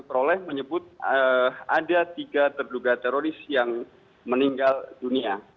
peroleh menyebut ada tiga terduga teroris yang meninggal dunia